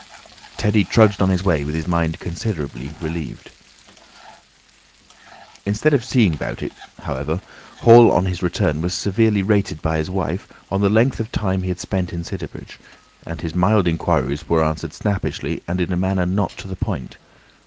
Teddy trudged on his way with his mind considerably relieved. Instead of "seeing 'bout it," however, Hall on his return was severely rated by his wife on the length of time he had spent in Sidderbridge, and his mild inquiries were answered snappishly and in a manner not to the point.